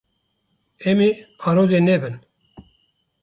Em ê arode nebin.